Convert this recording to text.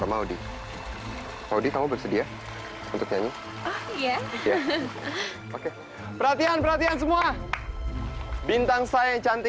kalau saya tidak kamu nasty mereka pasti kelihatan di sana